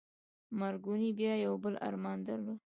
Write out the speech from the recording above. مارکوني بيا يو بل ارمان درلود.